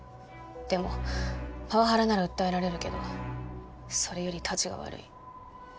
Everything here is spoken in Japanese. でもパワハラなら訴えられるけどそれよりたちが悪い。